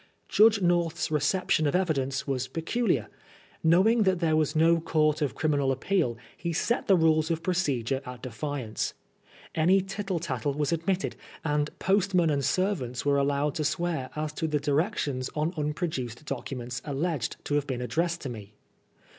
Judge North's reception of evidence was peculiar. Knowing that there was no Court of Criminal Appeal, he set the rules of procedure at defiance. Any tittle tattle was admitted, and postmen and servants were allowed to swear as to the directions on unproduced documents alleged to have been addressed to me.